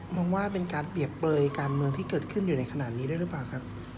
มองว่าเป็นการเปรียบเปลยการเมืองที่เกิดขึ้นอยู่ในขณะนี้ด้วยหรือเปล่าครับ